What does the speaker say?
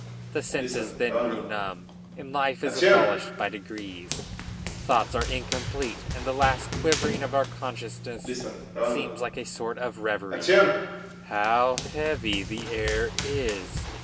The senses then grew numb, and life is abolished by degrees; thoughts are incomplete, and the last quivering of our consciousness seems like a sort of reverie. "How heavy the air is!"